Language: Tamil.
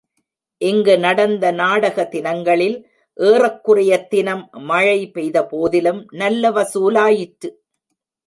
இங்கு நடந்த நாடக தினங்களில், ஏறக்குறைய தினம் மழை பெய்தபோதிலும், நல்ல வசூலாயிற்று.